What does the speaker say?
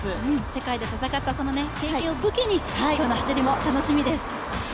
世界で戦った経験を武器に、今日も楽しみです。